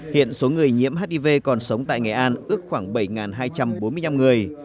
hiện số người nhiễm hiv còn sống tại nghệ an ước khoảng bảy hai trăm bốn mươi năm người